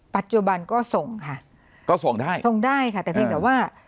ปัจจุบันก็ส่งค่ะก็ส่งได้ส่งได้ค่ะแต่เพียงแต่ว่า